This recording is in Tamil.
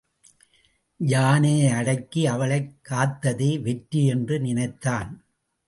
யானையை அடக்கி அவளைக் காத்ததே வெற்றி என்று நினைத்தான்.